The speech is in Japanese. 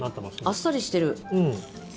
あっさりしてる。